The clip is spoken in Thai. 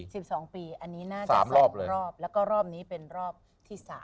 ตั้งผมล่าจะนอกเป็น๒รอบแล้วก็รอบนี้เป็นรอบที่๓